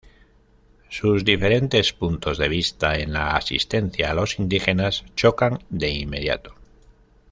Sus diferentes puntos de vista en la asistencia a los indígenas chocan de inmediato.